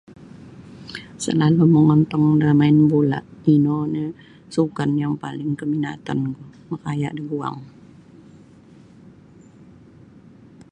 Salalu' mongontong da main bola' ino oni' sukan yang paling kaminatanku makaaya' daguang.